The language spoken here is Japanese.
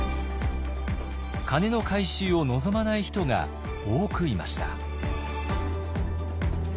鐘の回収を望まない人が多くいました。